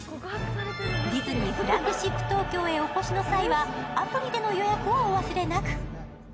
ディズニーフラッグシップ東京へお越しの際はアプリでの予約をお忘れなく。